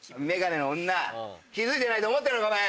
メガネの女気付いてないと思ってるの？